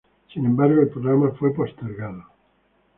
Sin embargo, el programa fue postergado.